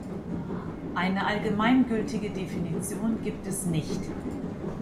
Eine allgemein gültige Definition gibt es nicht.